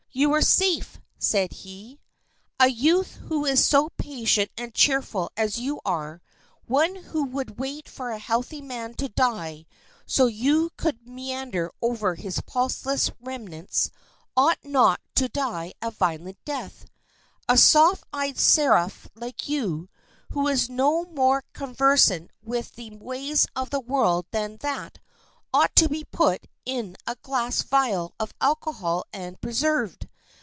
"You are safe," said he. "A youth who is so patient and cheerful as you are, one who would wait for a healthy man to die so you could meander over his pulseless remnants, ought not to die a violent death. A soft eyed seraph like you, who is no more conversant with the ways of the world than that, ought to be put in a glass vial of alcohol and preserved.